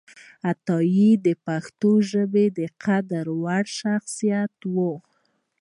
عطایي د پښتو ژبې د قدر وړ شخصیت و